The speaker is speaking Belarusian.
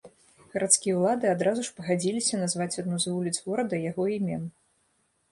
Гарадскія ўлады адразу ж пагадзіліся назваць адну з вуліц горада яго імем.